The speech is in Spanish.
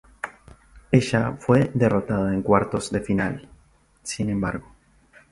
Ella fue derrotada en cuartos de final, sin embargo.